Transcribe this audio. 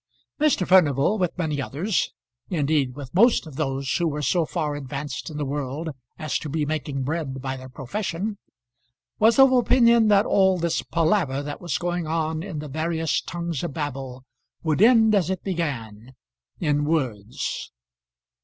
Mr. Furnival, with many others indeed, with most of those who were so far advanced in the world as to be making bread by their profession was of opinion that all this palaver that was going on in the various tongues of Babel would end as it began in words.